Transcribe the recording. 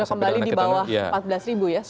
sudah kembali di bawah empat belas ribu ya sekarang